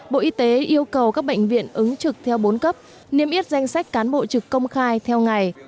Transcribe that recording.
bộ y tế yêu cầu các bệnh viện ứng trực theo bốn cấp niêm yết danh sách cán bộ trực công khai theo ngày